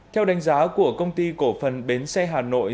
theo đánh giá của công ty cổ phần bến xe hà nội